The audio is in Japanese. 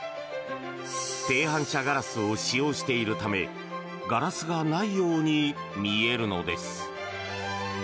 低反射ガラスを使用しているためガラスがないように見えるのです。